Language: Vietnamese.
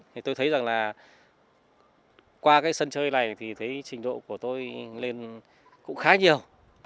thì tôi thấy rằng là qua cái sân chơi này thì thấy trình độ của tôi lên cũng khá nhiều